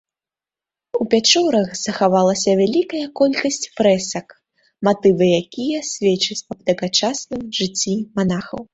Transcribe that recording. У пячорах захавалася вялікая колькасць фрэсак, матывы якія сведчаць аб тагачасным жыцці манахаў.